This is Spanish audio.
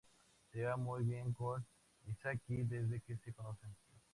Se lleva muy bien con Misaki desde que se conocen.